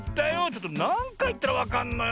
ちょっとなんかいいったらわかんのよ。